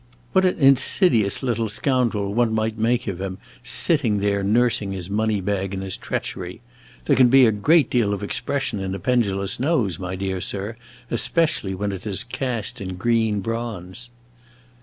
What an insidious little scoundrel one might make of him, sitting there nursing his money bag and his treachery! There can be a great deal of expression in a pendulous nose, my dear sir, especially when it is cast in green bronze."